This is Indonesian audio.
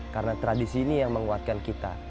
karena tradisi ini yang menguatkan kita